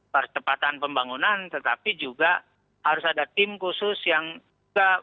percepatan pembangunan tetapi juga harus ada tim khusus yang juga